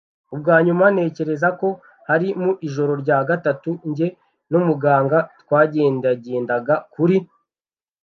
Ubwanyuma - Ntekereza ko hari mu ijoro rya gatatu - njye na muganga twagendagendaga kuri